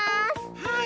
はい。